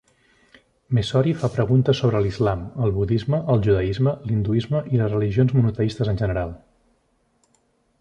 Messori fa preguntes sobre l"islam, el budisme, el judaisme, l"hinduisme i les religions monoteistes en general.